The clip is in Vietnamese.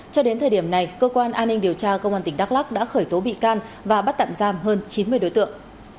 cho đến thời điểm này cơ quan an ninh điều tra công an tỉnh đắk lắc đã khởi tố bị can và bắt tạm giam hơn chín mươi đối tượng